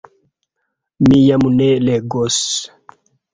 Mi jam ne legos,...